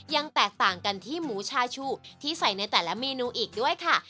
ยังแตกต่างกันที่หมูชาชูที่ใส่ในแต่ละเมนูอีกด้วยค่ะ